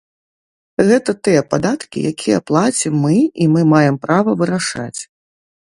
Гэта тыя падаткі, якія плацім мы і мы маем права вырашаць.